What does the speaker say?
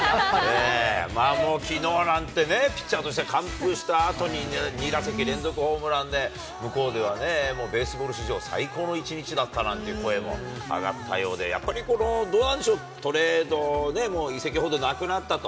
まあもう、きのうなんてね、ピッチャーとしては完封したあとに、２打席連続ホームランで、向こうではね、もうベースボール史上、最高の１日だったなんて声も上がったようで、やっぱり、どうなんでしょう、トレードね、もう移籍報道なくなったと。